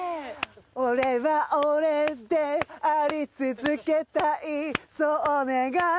「俺は俺で在り続けたいそう願った」